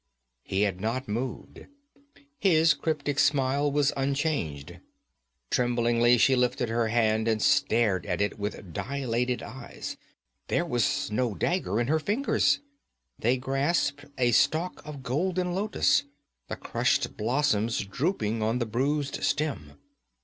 He had not moved; his cryptic smile was unchanged. Tremblingly she lifted her hand and stared at it with dilated eyes. There was no dagger in her fingers; they grasped a stalk of golden lotus, the crushed blossoms drooping on the bruised stem.